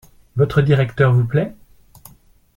Votre directeur vous plait ?